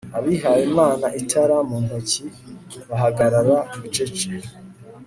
Abihayimana itara mu ntoki bahagarara bucece